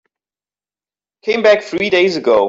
Came back three days ago.